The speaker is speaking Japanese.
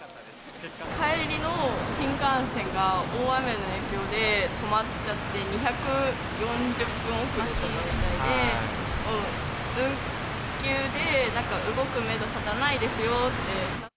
帰りの新幹線が大雨の影響で止まっちゃって、２４０分遅れとかみたいで、運休で動くメド立たないですよって。